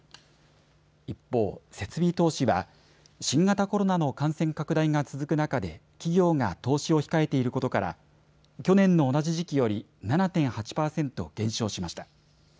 一方、設備投資は新型コロナの感染拡大が続く中で企業が投資を控えていることから去年の同じ時期より７．８％減少しました。